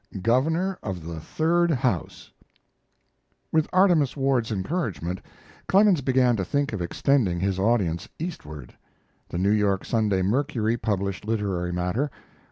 GOVERNOR OF THE "THIRD HOUSE" With Artemus Ward's encouragement, Clemens began to think of extending his audience eastward. The New York Sunday Mercury published literary matter.